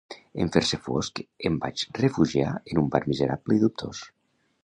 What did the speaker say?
En fer-se fosc em vaig refugiar en un bar miserable i dubtós.